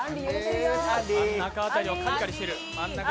真ん中辺りをカリカリしてる。